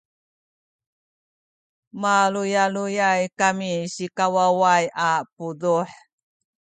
maluyaluyay kami sikawaway a puduh